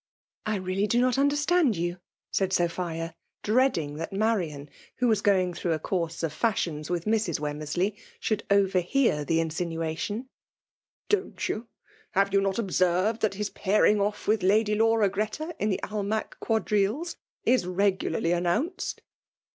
" "I really do not understand yon,'* said wmnfATum. 298 SaptAs,, dreadrng* that Mariaiiy who was going thfough a course of fashions with Mrs. Wem mersley, should oyerhear the insinxiation. ''Don't ]rou ? Have you not observed that has pairing off with Lady Laura Greta in the Ahnack quadrilles^ is regularly announced